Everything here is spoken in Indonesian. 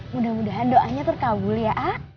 mudah mudahan doanya terkabul ya a